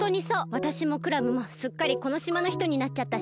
わたしもクラムもすっかりこのしまのひとになっちゃったし。